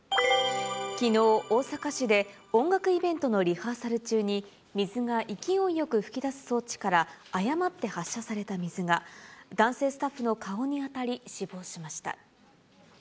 きのう、大阪市で音楽イベントのリハーサル中に、水が勢いよく噴き出す装置から誤って発射された水が、男性スタッフの顔に当たり、死亡しました。